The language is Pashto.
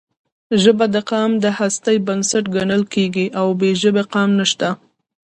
ژبه د قام د هستۍ بنسټ ګڼل کېږي او بې ژبې قام نشته.